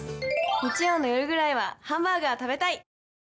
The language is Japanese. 日曜の夜ぐらいはハンバーガー食べたい！